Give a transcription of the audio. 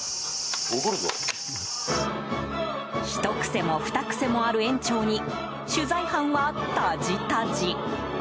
ひと癖も、ふた癖もある園長に取材班はタジタジ。